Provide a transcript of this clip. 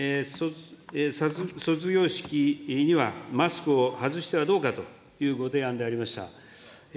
卒業式にはマスクを外してはどうかというご提案でありました。